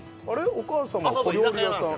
お母様は小料理屋さん